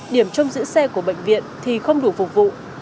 điểm trông giữ xe của bệnh viện thì không đủ phục vụ